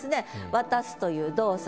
渡すという動作。